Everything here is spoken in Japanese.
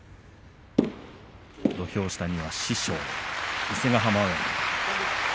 土俵下には師匠の伊勢ヶ濱親方です。